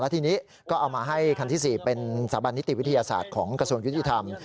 ทีนี้ก็เอามาให้คันที่๔เป็นสถาบันนิติวิทยาศาสตร์ของกระทรวงยุติธรรม